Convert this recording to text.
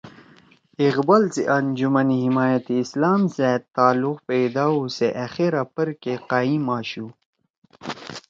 اقبال سی انجمن حمایت اسلام سیت تعلُق پیدا ہُو سے أخیرا پرکے قائم آشُو